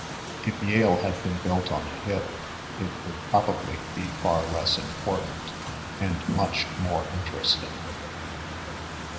If Yale had been built on a hill, it would probably be far less important and much more interesting.